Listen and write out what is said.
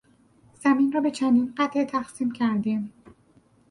زمین را به چندین قطعه تقسیم کردیم.